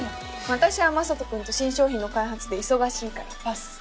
私は雅人君と新商品の開発で忙しいからパス。